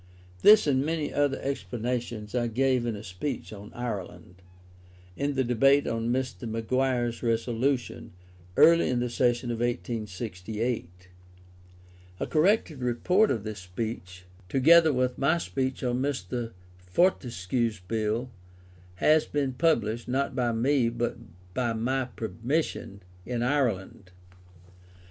This and many other explanations I gave in a speech on Ireland, in the debate on Mr. Maguire's Resolution, early in the session of 1868. A corrected report of this speech, together with my speech on Mr. Fortescue's Bill, has been published (not by me, but with my permission) in Ireland.